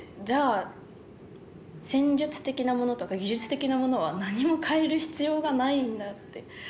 じゃあ戦術的なものとか技術的なものは何も変える必要がないんだって。